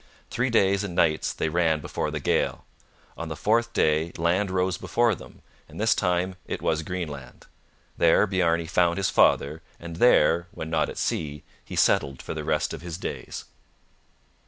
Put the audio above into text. Three days and nights they ran before the gale. On the fourth day land rose before them, and this time it was Greenland. There Bjarne found his father, and there, when not at sea, he settled for the rest of his days.